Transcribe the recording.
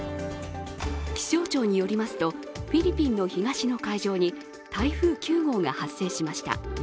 気象庁によりますとフィリピンの東の海上に台風９号が発生しました。